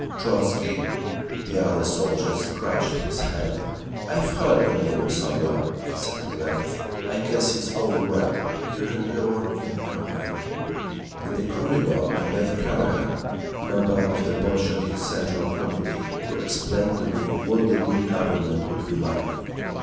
"Trotzky?" The other soldier scratched his head. "I've heard the name somewhere," he said at length. "I guess it's all right. You can go on in, comrade…." In the corridor I met Karakhan, member of the Bolshevik Central Committee, who explained to me what the new Government would be like.